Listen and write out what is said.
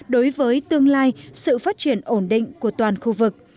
đối với tương lai sự phát triển ổn định của toàn khu vực